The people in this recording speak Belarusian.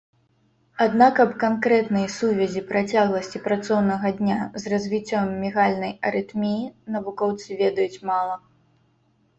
Аднак аб канкрэтнай сувязі працягласці працоўнага дня з развіццём мігальнай арытміі навукоўцы ведаюць мала.